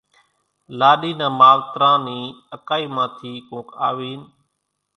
لاڏي نان ماوتران نِي اڪائي مان ٿي ڪونڪ آوين،